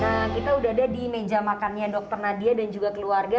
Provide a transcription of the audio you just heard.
nah kita udah ada di meja makannya dr nadia dan juga keluarga